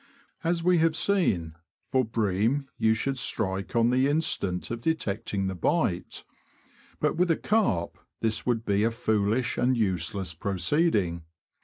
As we have seen, for bream you should strike on the instant of detecting the bite; but with a carp this would be a foolish and useless proceeding.